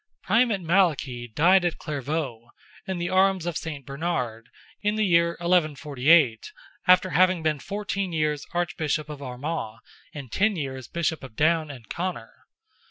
Primate Malachy died at Clairvaulx, in the arms of Saint Bernard, in the year 1148, after having been fourteen years Archbishop of Armagh and ten years Bishop of Down and Conor.